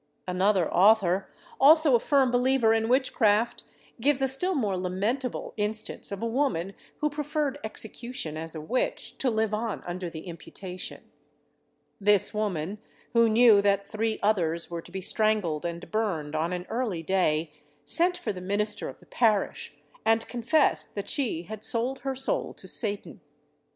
Another author, also a firm believer in witchcraft, gives a still more lamentable instance of a woman who preferred execution as a witch to live on under the imputation. This woman, who knew that three others were to be strangled and burned on an early day, sent for the minister of the parish, and confessed that she had sold her soul to Satan.